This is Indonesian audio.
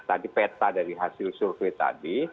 tadi peta dari hasil survei tadi